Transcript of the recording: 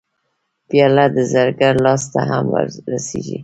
پیاله د زرګر لاس ته هم رسېږي.